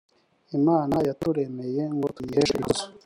imana yaturemeye ngo tuyiheshe ikuzo